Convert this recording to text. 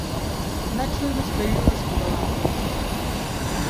Nacho es despedido de su trabajo.